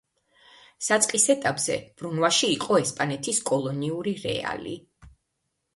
საწყის ეტაპზე, ბრუნვაში იყო ესპანეთის კოლონიური რეალი.